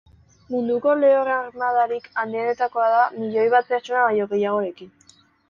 Munduko lehor armadarik handienetakoa da milioi bat pertsona baino gehiagorekin.